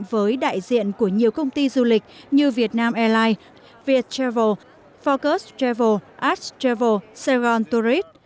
với đại diện của nhiều công ty du lịch như việt nam airline viet travel focus travel ash travel saigon tourist